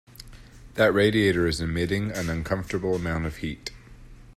That radiator is emitting an uncomfortable amount of heat.